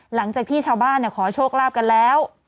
หลังจากที่ชาวบ้านขอโชคลาภกันแล้ว